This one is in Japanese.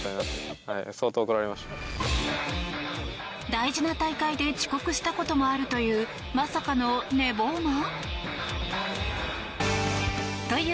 大事な大会で遅刻したこともあるというまさかの寝坊魔。